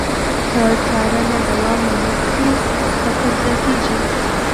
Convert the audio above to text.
که څارنه دوام ونه کړي، خطر زیاتېږي.